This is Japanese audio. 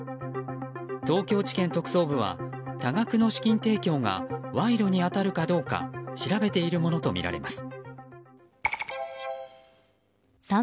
東京地検特捜部は多額の資金提供が賄賂に当たるかどうか調べているものとみられます。